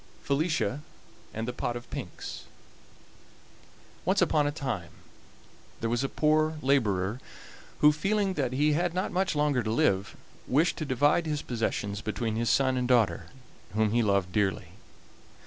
FELICIA AND THE POT OF PINKS Once upon a time there was a poor laborer who, feeling that he had not much longer to live, wished to divide his possessions between his son and daughter, whom he loved dearly.